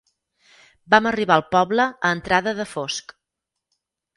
Vam arribar al poble a entrada de fosc.